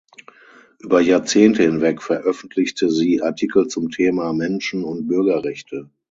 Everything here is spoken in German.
Über Jahrzehnte hinweg veröffentlichte sie Artikel zum Thema Menschen- und Bürgerrechte.